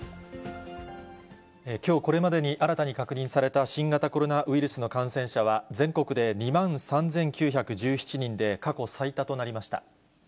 きょうこれまでに新たに確認された新型コロナウイルスの感染者は、全国で２万３９１７人で過去最多となりました。